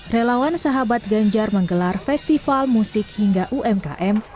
relawan sahabat ganjar menggelar festival musik hingga umkm